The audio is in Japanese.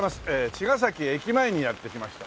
茅ヶ崎駅前にやって来ました。